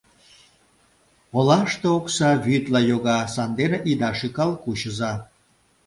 Олаште окса вӱдла йога, сандене ида шӱкал, кучыза.